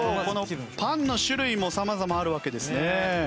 このパンの種類も様々あるわけですねえ。